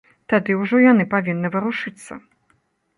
Тады ўжо яны павінны варушыцца.